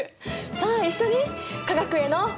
さあ一緒に化学への愛と。